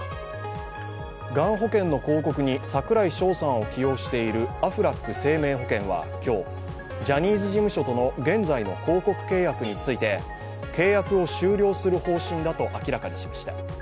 がん保険の広告に櫻井翔さんを起用しているアフラック生命保険は今日、ジャニーズ事務所との現在の広告契約について契約を終了する方針だと明らかにしました。